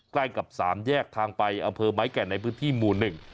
ใกล้กับสามแยกทางไปอำเภอไม้แก่นในพื้นที่หมู่หนึ่ง